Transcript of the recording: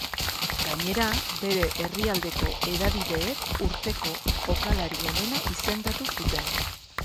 Gainera, bere herrialdeko hedabideek urteko jokalari onena izendatu zuten.